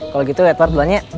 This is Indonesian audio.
kalau gitu edward belan ya